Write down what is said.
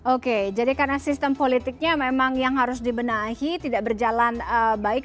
oke jadi karena sistem politiknya memang yang harus dibenahi tidak berjalan baik